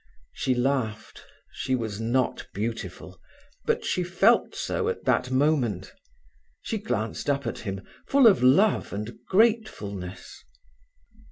She laughed. She was not beautiful, but she felt so at that moment. She glanced up at him, full of love and gratefulness.